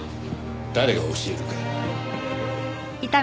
誰が教えるか。